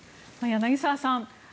柳澤さん